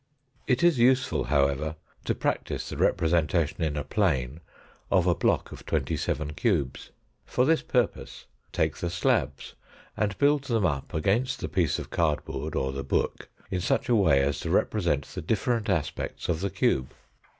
It is useful, however, to practise the representation in a plane of a block of twenty seven cubes. For this purpose take the slabs, and build them up against the piece of cardboard, or the book in such a way as to represent the different aspects of the cube.